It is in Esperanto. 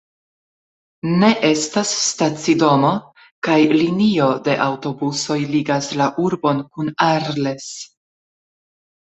Ne estas stacidomo, kaj linio de aŭtobusoj ligas la urbon kun Arles.